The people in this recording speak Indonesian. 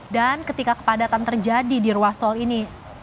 dan ketika kepadatan terjadi di ruas tol ini